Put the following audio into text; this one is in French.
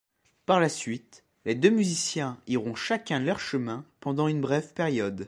Par la suite, les deux musiciens iront chacun leur chemin pendant une brève période.